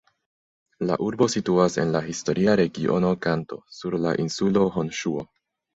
La urbo situas en la historia regiono Kanto, sur la insulo Honŝuo.